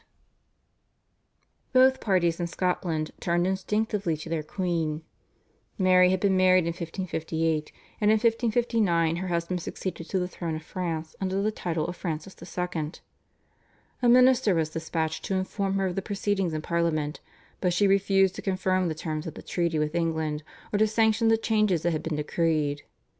Both parties in Scotland turned instinctively to their queen. Mary had been married in 1558, and in 1559 her husband succeeded to the throne of France under the title of Francis II. A minister was dispatched to inform her of the proceedings in Parliament, but she refused to confirm the terms of the treaty with England, or to sanction the changes that had been decreed.